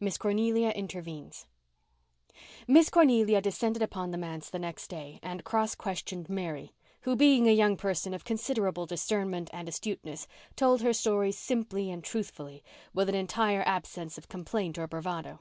MISS CORNELIA INTERVENES Miss Cornelia descended upon the manse the next day and cross questioned Mary, who, being a young person of considerable discernment and astuteness, told her story simple and truthfully, with an entire absence of complaint or bravado.